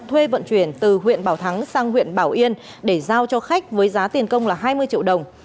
thuê vận chuyển từ huyện bảo thắng sang huyện bảo yên để giao cho khách với giá tiền công là hai mươi triệu đồng